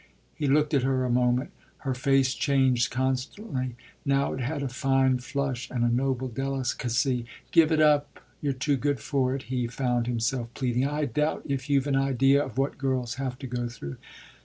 He looked at her a moment: her face changed constantly; now it had a fine flush and a noble delicacy. "Give it up. You're too good for it," he found himself pleading. "I doubt if you've an idea of what girls have to go through."